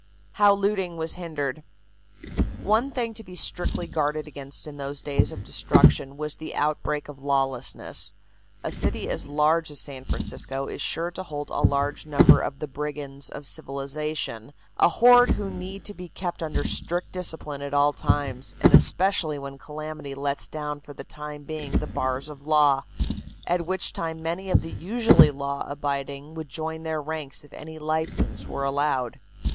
HOW LOOTING WAS HINDERED. One thing to be strictly guarded against in those days of destruction was the outbreak of lawlessness. A city as large as San Francisco is sure to hold a large number of the brigands of civilization, a horde who need to be kept under strict discipline at all times, and especially when calamity lets down for the time being the bars of the law, at which time many of the usually law abiding would join their ranks if any license were allowed.